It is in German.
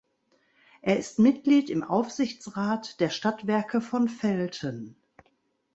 Er ist Mitglied im Aufsichtsrat der Stadtwerke von Velten.